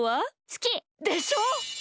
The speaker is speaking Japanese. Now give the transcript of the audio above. すき！でしょ！